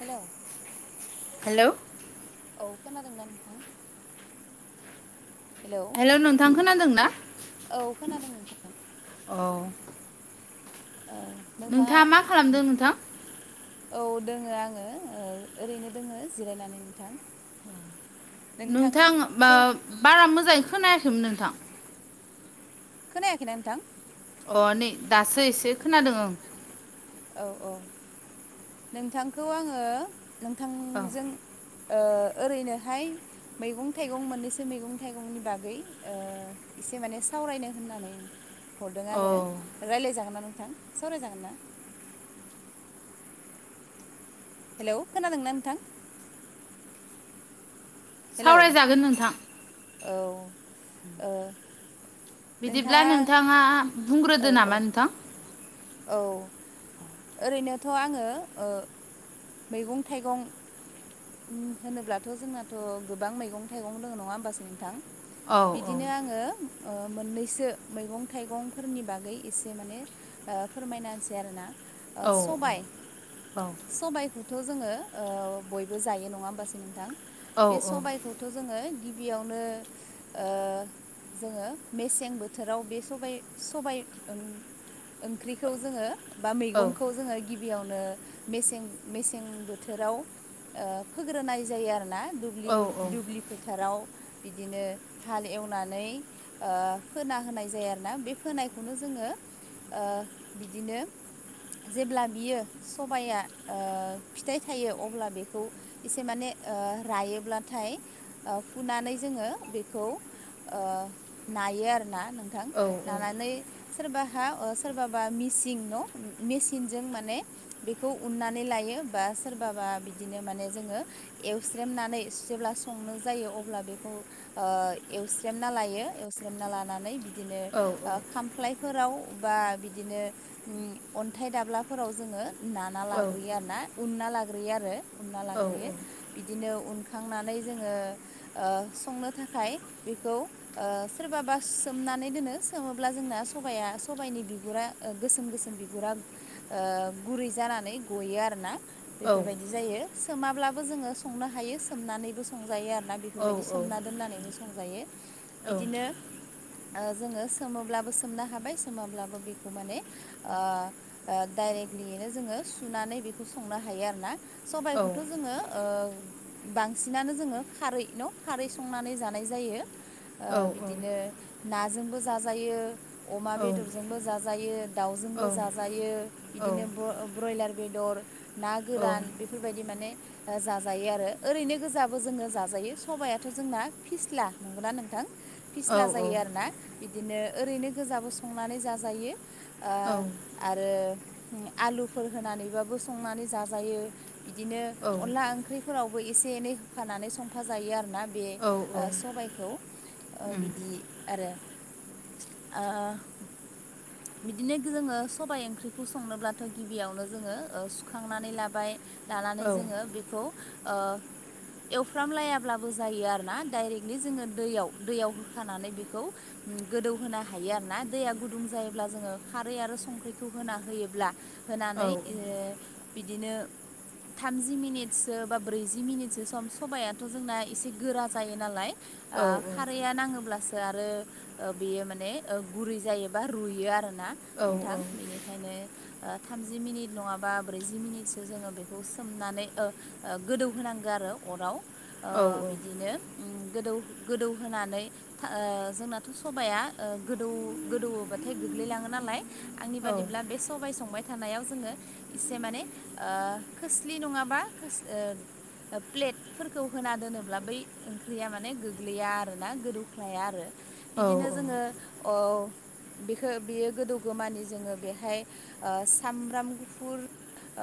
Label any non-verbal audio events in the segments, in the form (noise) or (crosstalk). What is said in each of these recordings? Hello (unintelligible) hello औ खोनादोंना नोंथां। हेलौ नोंथां खोनादों ना? औ खोनादों नोंथां। औ। औ नोंथाङा मा खालामदों (unintelligible) नोंथां? औ दोङो आङो ओ ओरैनो दोङो जिरायनानै नोंथां। (inaudible) नोंथां बा नोंथांखौ बारा मोजाङै खोनायाखैमोन नोंथां। खोनायाखैना नोंथां? अ नै दासो एसे खोनादों ओं। औ औ। नोंथांखौ आङो औ नोंथांजों ओ ओरैनोहाय मैगं थाइगं मोननैसो मैगं थाइगंनि बागै ओ एसे माने सावरायनो होननानै हरदों औ आरो रायलायजागोन ना नोंथां सावरायजागोन ना? हेलौ खोनादोंना नोंथां? हेलौ सावरायजागोन नोंथां। औ ओ बिदिब्ला नोंथाङा औ बुंग्रोदो औ नामा नोंथां? औ। ओरैनोथ' आङो ओ मैगं थाइगं होनोब्लाथ' जोंनाथ' गोबां मैगं थाइगं दोङो नङा होमबासो नोंथां? औ औ बिदिनो आङो ओ मोननैसो मैगं थाइगंफोरनि बागै एसे माने ओ फोरमायना होनोसै आरोना। ओ औ सबाय औ सबायखौथ' जोङो ओ बय बो जायो नङा होमबासो नोंथां औ बे सबायखौथ' जोङो गिबियावनो ओ जोङो मेसें बोथोराव बे सबाय सबाय उम ओंख्रिखौ जोङो बा औ मैगंखौ जोङो गिबियावनो मेसें मेसें बोथोराव ओ फोग्रोनाय जायो आरोना औ दुब्लि दुब्लि फोथाराव। बिदिनो हाल एवनानै ओ फोना होनाय जायो आरोना जेब्ला बियो सबाया ओ फिथाइ थायो अब्ला बे खौ एसे माने ओ रायोब्लाथाय ओ फुनानै जोङो बेखौ ओ नायो आरोना नोंथां औ नानानै सोरबाहा ओ सोरबाबा मेसिं न' मेसिनजों माने बेखौ उन्नानै लायो बा सोरबाबा बिदिनो माने जोङो एवस्रेमनानै जेब्ला संनो जायो अब्ला बेखौ ओ एवस्रेमना लायो एवस्रेमना लानानै बिदिनो औ ओ खामफ्लाय फोराव बा बिदिनो उम अन्थाइ दाब्लाफोराव जोङो नाना औ लाग्रोयो आरो ना उनना लाग्रोयो आरो उनना औ लाग्रोयो। बिदिनो उनखांनानै जोङो ओ संनो थाखाय बेखौ ओ सोरबाबा सोमनानै दोनो सोमोब्ला जोंना सबाया सबाइनि बिगुरा ओ गोसोम गोसोम बिगुरा ओ गुरै जानानै गयो आरोना। औ बेफोरबायदि जायो सोमाब्लाबो जोङो संनो हायो सोमनानैबो संजायो आरोना बि फोरबायदि सोमना औ दोननानैबो संजायो बिदिनो ओ जोङो सोमोब्लाबो सोमनो हाबाय सोमाब्लाबो बेखौ माने ओ ओ डायरेक्टलियैनो जोङो सुनानै बेखौ संनो हायो आरोना सबा इखौथ' जोङो ओ बांसिनानो जोङो खारै न' खारै संनानै जानाय जायो। ओ बिदिनो नाजोंबो जाजायो अमा बेदरजोंबो जाजायो दाउजोंबो जाजायो बिदिनो ब्र ब्रयलार बेदर ना औ गोरान बेफोर बेबायदि माने ओ जाजायो आरो ओरैनो गोजाबो जोङो जाजायो सबायाथ' जोंना फिस्ला नंगौना नोंथां? औ फिस्ला जायो औ आरोना बिदिनो ओरैनो गोजाबो संनानै जाजायो ओ औ आरो उम आलुफोर होनानैबाबो संनानै जाजायो बिदिनो अनला ओंख्रिफोरावबो एसे एनै होफानानै संफाजायो आरोना। बे औ ओ सबायखौ ओ उम बिदि आरो ओ बिदिनो गो जोङो सबाय ओंख्रिखौ संनोब्लाथ' गिबियावनो जोङो ओ सुखांनानै लाबाय। औ लानानै जोङो बेखौ ओ एवफ्रामलायाब्लाबो जायो आरोना डाइरेक्टलि जोङो दैयाव दैयाव होखानानै बेखौ उम गोदौ होनो हायो आरो ना दैया गुदुं जायो ब्ला जोङो खारै आरो संख्रिखौ होना होयोब्ला औ होनानै इयो बिदिनो थामजि मिनिटसो बा ब्रैजि मिनिटसो सम सबायाथ' जोंना एसे गोरा जायो नालाय औ ओ खारैया नाङोब्लासो आरो ओ बेयो माने ओ गुरै जायोबा रुयो आरोना औ नोंथां बेनि ओंखायनो ओ थामजि मिनिट नङाबा ब्रैजि मिनिटसो जोङो बेखौ सोमनानै ओ ओ गोदौ होनोनांगौ आरो अराव ओ औ बिदिनो उम गोदौ गोदौ होनानै था ओ जोंनाथ' सबाया ओ गोदौ गोदौयोबा थाय गोग्लैलाङो नालाय आंनि बादिब्ला बे सबाय संबाय थानायाव जोङो एसे माने ओ खोस्लि नङाबा खोस ओ ओ प्लेट फोरखौ होना दोनोब्ला बै ओंख्रिया माने गोग्लैया आरो ना गोदौख्लाया आरो। बिदिनो जोङो औ बेखो बेयो गोदौगो मानि जोङो बेहाय ओ सामब्राम गुफुर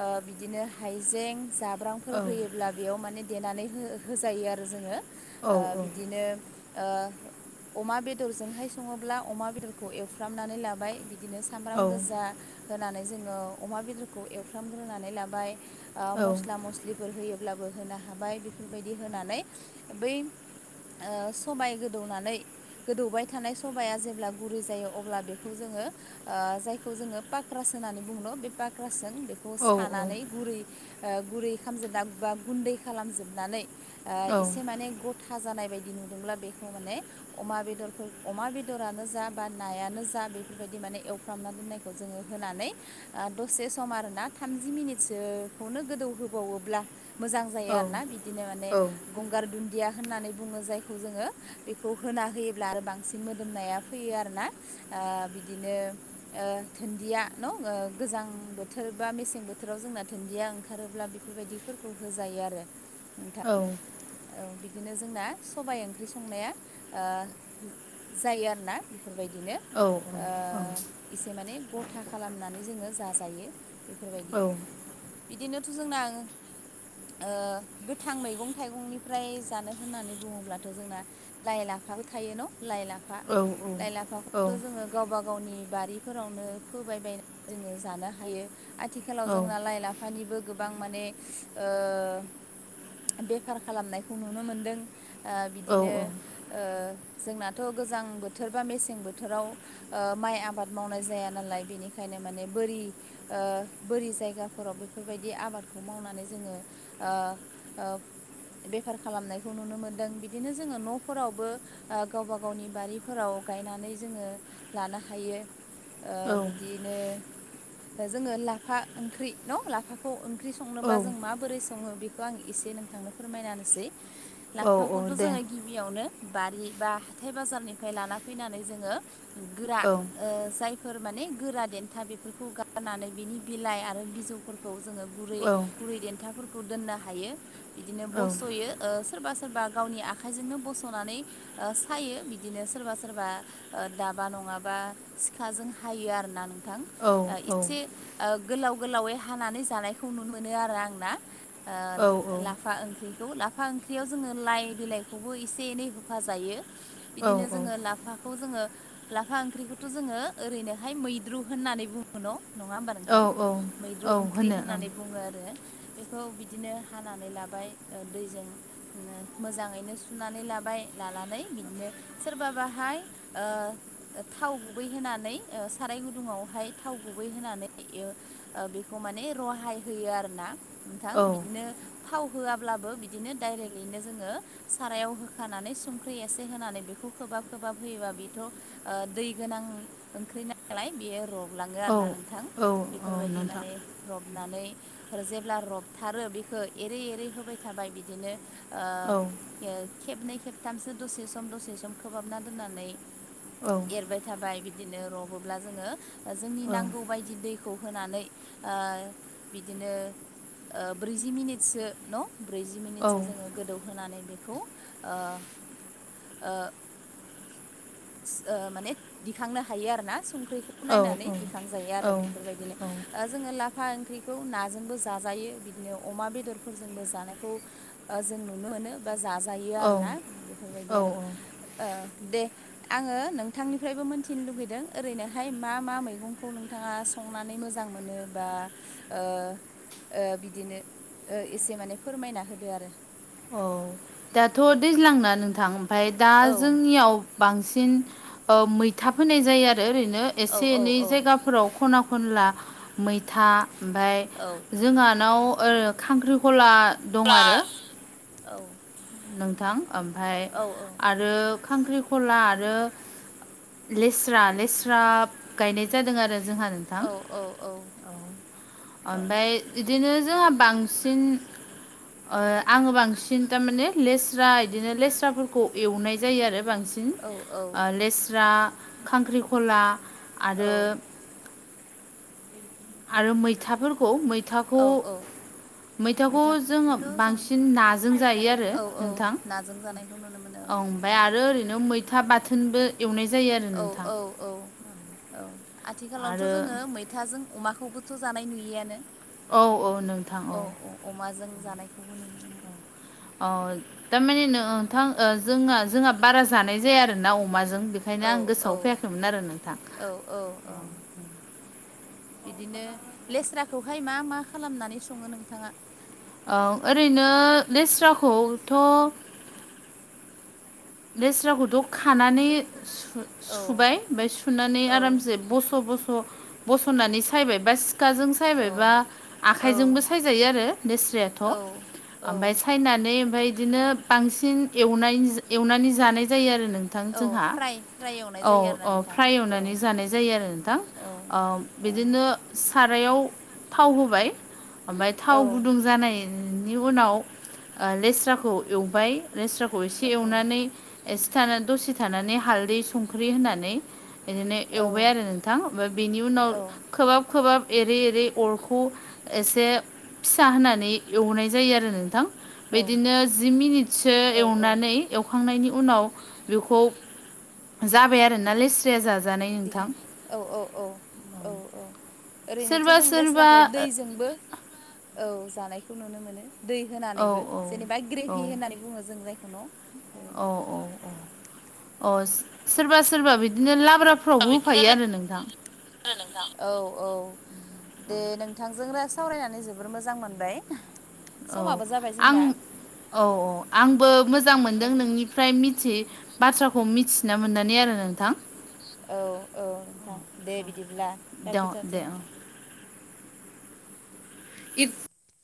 ओ बिदिनो हाइजें जाब्राम फोर होयोब्ला बेयाव माने देनानै हो होजायो आरो जोङो ओ बिदिनो ओ अमा बेदरजोंहाय सङोब्ला अमा बेदरखौ एवफ्रामनानै लाबाय बिदिनो सामब्राम गोजा होनानै जोङो अमा बेदरखौ एवफ्रामग्रोनानै लाबाय ओ मस्ला मस्लिफोर होयोब्लाबो होनो हाबाय बेफोरबायदि होनानै बै ओ सबाय गोदौनानै गोदौबाय थानाय सबाया जेब्ला गुरै जायो अब्ला बेखौ जोङो ओ जायखौ जोङो पाक्रास होननानै बुङो न' बे पाक्रासजों बे खौ सानानै गुरै ओ गुरै खालामजोबना बा गुन्दै खालामजोबनानै इसे माने ग थाजानाय बायदि नुदोंब्ला बेखौ माने अमा बेदरफोर अमा बेदरानो जा बा नायानो जा बेफोरबायदि माने एवफ्रामना दोननायखौ जोङो होनानै ओ दसे सम आरोना थामजि मिनिटसोखौनो गोदौहोबावोब्ला मोजां जायो आरोना बिदिनो माने औ गंगार दुन्दिया होननानै बुङो जायखौ जोङो बेखौ होना होयोब्ला आरो बांसिन मोदोमनाया फैयो आरोना ओ बिदिनो ओ धोनदिया नं गोजां बोथोर बा मेसें बोथोराव जोंना धोनदिया ओंखारोब्ला बेफोरबायदि फोरखौ होजायो आरो नोंथां औ औ बिदिनो जोंना सबाय ओंख्रि संनाया ओ जायो आरो ना बेफोरबायदिनो ओ एसे माने गथा खालामनानै जोङो जाजायो। बेफोरबायदि बिदिनोथ' जोंना ओ गोथां मैगं थाइगंनिफ्राय जानो होननानै बुङोब्लाथ' जोंना लाइ लाफाबो थायो न' लाइ लाफा फा लाइ लाफाखौथ' जोङो गावबा गावनि बारिफोरावनो फोबायबायनानै जोङो जानो हायो आथिखालाव जोंना लाइ लाफानिबो गोबां माने बेफार खालामनायखौ नुनो मोनदों ओ बिदिनो ओ ओ माइ आबाद मावनाय जाया नालाय बेनिखायनो माने बोरि जायगाफोराव बेफोरबायदि आबादखौ मावनानै जोङो ओ ओ बेफार खालामनायखौ नुनो मोन्दों बिदिनो जोङो न'फोरावबो गावबा गावनि बारिफोराव गायनानै जोङो लानो हायो। ओ बिदिनो जोङो लाफा ओंख्रि न' लाफाखौ ओंख्रि संनोब्ला जों माबोरै सङो बेखौ आं एसे नोंथांनो फोरमायना होनोसै ला दे बियावनो बारि बा हाथाय बाजारनिफ्राय लाना फै औ ओ जायफोर माने गोराद गुरै औ गुरै देन्थाफोरखौ दोननो हायो औ ओ सोरबा सोरबा गावनि आखाइजोंनो बस'नानै ओ दाबा नङाबा सिखाजों हायो आरो ना नोंथां ओ एसे गोलाव गोलावै हानानै जानायखौ नुनो मोनो आरो आंना औ ओ लाफा ओंख्रिखौ लाफा ओंख्रियाव जोङो लाइ बिलाइखौबो एसे औ बिदिनो जोङो औ लाफाखौ जोङो लाफा ओंख्रिखौथ' जोङो ओरैनोहाय मैद्रु होननानै बुङो न नङा होमबा नोंथां मै होनो हानानै लाबाय ओ दैजों ओ मोजाङैनो सुनानै लाबाय लानानै बिदिनो सोरबाबाहाय ओ ओ थाव गुबै होनानै ओ‌ साराय गुदुंआवहाय थाव गुबै होनानै ओ ओ बेखौ माने रहाय होयो आरो ना नोंथां ओं औ बिदिनो थाव होआब्लाबो सारायाव होखाना ओ औ औ औ नोंथां बलाङो रबनानै औ ओ खे औ जोङो जोंनि औ नांगौ बायदि दैखौ होनानै ओ सो औ गोदौ सो ओ माने दिखांनो हायो आरोना संख्रिखौ नायनानै दिखांजायो आरो औ बेफोरबायदिनो ओ जोङो लाफा ओंख्रिखौ नाजोंबो जाजायो बिदिनो अमा बेदरफोरजोंबो जानायखौ ओ जों नुनो मोनो बा औ औ जाजायो आ आङो नोंथांनिफ्रायबो मोनथिनो लुगै संनानै मोजां मोनो बा ओ ओ बिदिनो ओ एसे माने फोरमायना होदो आरो औ दाथ' दैज्लांना नोंथां ओमफ्राय दा औ बांसिन ओ मैथा फोनाय जायो आरो ओरैनो एसे फोराव खना खन औ जोंहानाव औ नोंथां ओमफ्राय औ आरो खांख्रिखला आरो लेस्रा लेस्रा गायनाय जादों आरो जोंहा न औ औ औ ओमफ्राय बिदिनो जोंहा बांसिन आङो बांसिन थारमाने लेस्रा बिदिनो लेस्राफोरखौ एवनाय जायो आरो बांसिन होम ओ औ लेस्रा खांख्रिखला आरो औ औ आरो मैथाफोर मैथाखौ औ औ मैथाखौथ' जों औ औ नाजों जानायखौ नुनो मोनो औ ओमफ्राय मैथा आरो ओरैनो मैथा औ नोंथां औ औ आरो अमाखौबोथ' जानाय नुयिआनो औ औ नोंथां औ अमाजों जानायखौबो नुनो मोनो अ थारमाने नोंथां जोंहा जोंहा बारा जानाय जाया आरो ना अमाजों बेखायनो औ आं गोसोआव फैयाखैमोन आरो नोंथां ओ औ-औ-औ-औ बिदिनो लेस्राखौहाय मा मा खालामनानै सङो नोंथाङा ओं ओरैनो लेस्राखौथ' लेस्राखौथ' खानानै सुबाय हुख्रुबनानै ओमफफ्राय सुनानै आरामसे बस' बस' बस'नानै सायबाय बा सिखाजों सायबायबा आखाइजोंबो सायजायो आरो दोस्रायाथ' ओमफफ्राय ओमफ्राय सायनानै ओमफफ्राय बिदिनो बांसिन ए एवनानै जानाय जायो आरो नों नोंथां औ जोंहा फ्राय एवनानै जानाय जायो औ फ्राय एवनानै जानाय जायो आरो नोंथां बिदिनो सारायाव थाव होबाय ओमफ्राय थाव गुदुं जानाय बेनि उनाव लेस्राखौ एवबाय लेस्राखौ एसे लेस्राखौ एवनानै एसे थानानै दसे थानानै हालदै संख्रि होनानै बिदिनो ओमफ्राय एवबाय आरो नोंथां ओमफ्राय बेनि उनाव खोबाब खोबहाब एरै एरै अरखौ एसे फिसा होनानै एवनाय जायो आरो नोंथां औ औ बिदिनो जि मिनिटसो एवनानै जि एवखांनायनि उनाव बेखौ जाबाय आरोोना लेस्रया जानाय दिख औ औ-औ-औ-औ ओरैनोथ' सोरबा जों सोरबा लेस्रााखो दैजोंबो औ जानायखौ नुनो मोनो दै औ होनानैबो जेनेबा ग्रेभि होननानै बुङो जों जायखौ न' अ बेबायदि औ अ अ सोरबा सोरबा बिदिनो लाब्रा फ्रावबो होफायो आरो नोंथां नोंथां औ औ दे नोंथांजोंनो सावरायनानै जोबोर मोजां मोनबाय औ समाबो जाबाय आं जोंना औ औ मोजां आंबो मोजां मोनदों नोंनि फ्राय मिथि बाथ्राखौ मिथिना मोननानै आरो नोंथां औ औ नोंथां दे बिदिब्ला दे दे लाखिथारनोसै औ नोंथां इफ